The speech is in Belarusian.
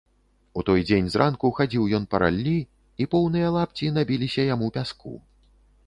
У той дзень зранку хадзіў ён па раллі, і поўныя лапці набілася яму пяску.